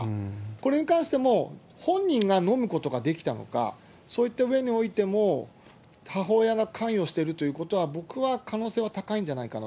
これに関しても、本人が飲むことができたのか、そういった上においても、母親が関与してということは、僕は可能性は高いんじゃないかな。